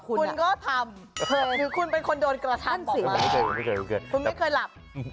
คุณก็ทำหรือคุณเป็นคนโดนกระทั่นสิคุณไม่เคยหลับ